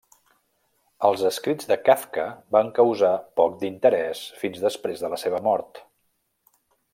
Els escrits de Kafka van causar poc d'interès fins després de la seva mort.